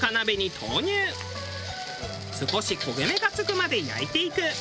少し焦げ目がつくまで焼いていく。